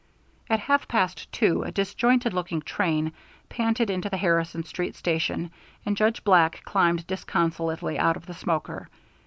At half past two a disjointed looking train panted into the Harrison Street Station, and Judge Black climbed disconsolately out of the smoker.